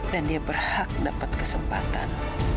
dan dia berhak dapat kesempatan